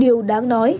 điều đáng nói